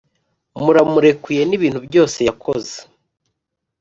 muramurekuye n ibintu byose yakoze